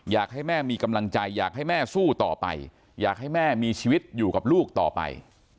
อยากให้แม่มีกำลังใจอยากให้แม่สู้ต่อไปอยากให้แม่มีชีวิตอยู่กับลูกต่อไป